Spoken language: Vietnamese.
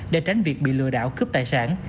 để tránh việc bị lừa đảo cướp tài sản